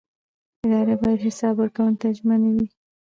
ادارې باید حساب ورکولو ته ژمنې وي